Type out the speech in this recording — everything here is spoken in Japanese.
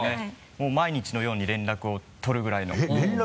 もう毎日のように連絡を取るぐらいの。